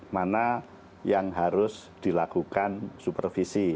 mana yang harus dilakukan supervisi